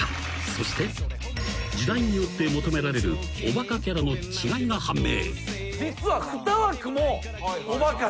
［そして時代によって求められるおバカキャラの違いが判明］